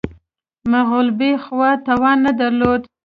مغلوبې خوا توان نه درلود